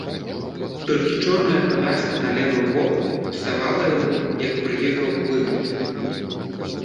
Толькі чорная павязка на левым воку псавала яму, як прыехаў, выгляд.